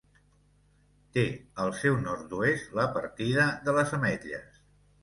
Té al seu nord-oest la partida de les Ametlles.